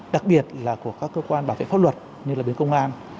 đặc biệt là của các cơ quan bảo vệ pháp luật như là bên công an